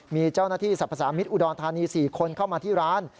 มีเจ้าหน้าที่สรรพสามิตรอุดรธานี๔คนเข้ามาที่ร้าน